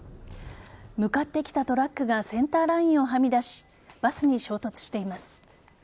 向かってきたトラックがセンターラインをはみ出しバスに衝突しています。